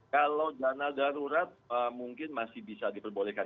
kalau dana darurat mungkin masih bisa diperbolehkan